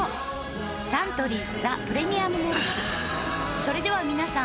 それではみなさん